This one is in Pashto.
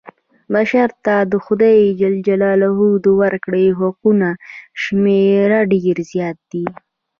بشر ته د خدای ج د ورکړي حقونو شمېره ډېره زیاته ده.